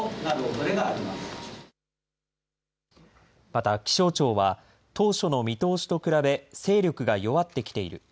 また気象庁は、当初の見通しと比べ、勢力が弱ってきている。